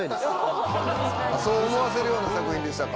そう思わせるような作品でしたか。